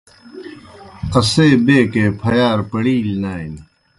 اسے بیکے پھیارہ پڑِیلیْ نانیْ۔